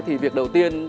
thì việc đầu tiên